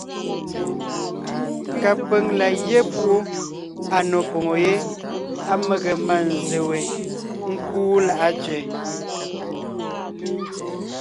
Kapʉ̀ŋ la gyɛ́ púʼu à nò poŋo yé á mege mânzse we ńkúu Láʼa Tsẅɛ.